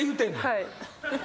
はい。